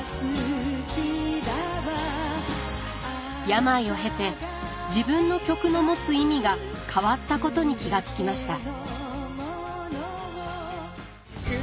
病を経て自分の曲の持つ意味が変わったことに気が付きました。